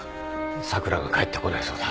咲良が帰ってこないそうだ